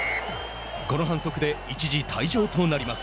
この反則で一時退場となります。